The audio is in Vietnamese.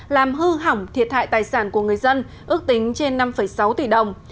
làm hư hỏng thiệt hại tài sản của người dân ước tính trên năm sáu tỷ đồng